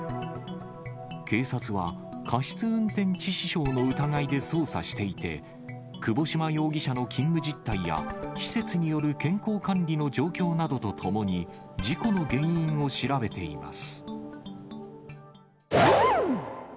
警察は、過失運転致死傷の疑いで捜査していて、窪島容疑者の勤務実態や施設による健康管理の状況などとともに、事故の原因を調べています。